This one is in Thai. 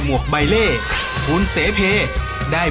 หมวกปีกดีกว่าหมวกปีกดีกว่า